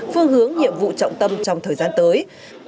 phương hướng nhiệm vụ trọng tâm trong thời gian tới